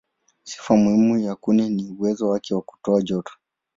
Sifa muhimu ya kuni ni uwezo wake wa kutoa joto.